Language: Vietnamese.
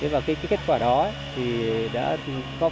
và cái kết quả đó thì đã có phản ứng